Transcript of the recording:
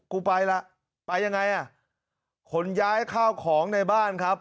ไปล่ะไปยังไงอ่ะขนย้ายข้าวของในบ้านครับ